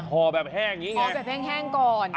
หอแบบแห้งแห้งก่อน